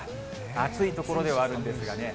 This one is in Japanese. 暑い所ではあるんですがね。